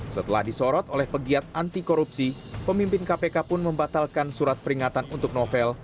setelah disorot oleh pegiat anti korupsi pemimpin kpk pun membatalkan surat peringatan untuk novel